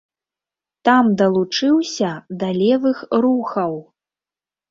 Там далучыўся да левых рухаў.